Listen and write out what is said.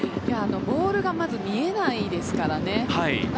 ボールがまず見えないですからね。